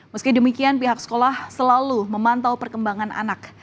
meski demikian pihak sekolah selalu memantau perkembangan anak